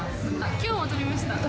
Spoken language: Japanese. きょうも取りました。